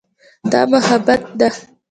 دا محبت ده.